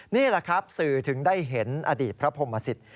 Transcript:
นี่แหละครับสื่อถึงได้เห็นอดีตพระพรหมสิต